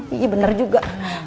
iya bener juga